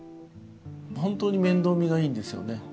本当に面倒見がいいんですよね。